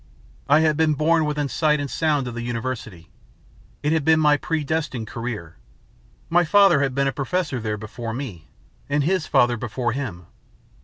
I had been born within sight and sound of the university. It had been my predestined career. My father had been a professor there before me, and his father before him.